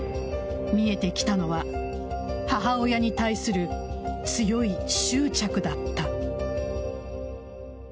見えてきたのは母親に対する強い執着だった。